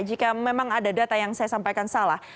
jika memang ada data yang saya sampaikan salah